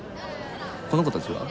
この子たちは？